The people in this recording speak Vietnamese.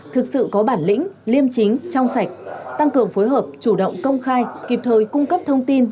thực sự có bản lĩnh liêm chính trong sạch tăng cường phối hợp chủ động công khai kịp thời cung cấp thông tin